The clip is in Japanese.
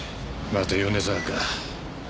また米沢か。